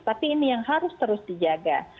tapi ini yang harus terus dijaga